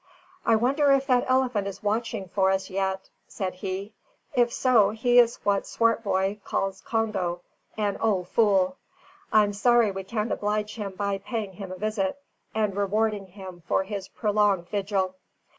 "I wonder if that elephant is watching for us yet?" said he. "If so, he is what Swartboy calls Congo, an 'ole fool! I'm sorry we can't oblige him by paying him a visit, and rewarding him for his prolonged vigil."